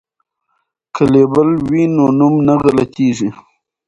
که لیبل وي نو نوم نه غلطیږي.